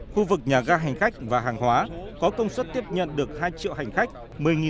khu vực nhà ga hành khách và hàng hóa có công suất tiếp nhận được hai triệu hành khách